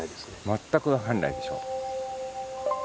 全く分かんないでしょ。